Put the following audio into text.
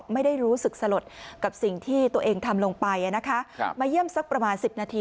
ไม่ได้รู้สึกสลดกับสิ่งที่ตัวเองทำลงไปมาเยี่ยมสักประมาณ๑๐นาที